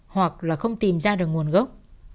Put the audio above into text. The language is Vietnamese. hoặc là không tìm ra được nguồn gốc